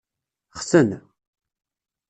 Xten.